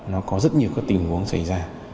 nó có rất nhiều các tình huống xảy ra